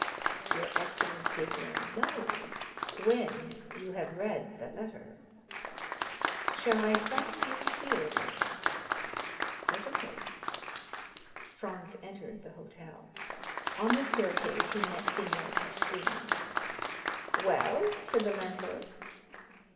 "Your excellency will know when you have read the letter." "Shall I find you here, then?" "Certainly." Franz entered the hotel. On the staircase he met Signor Pastrini. "Well?" said the landlord.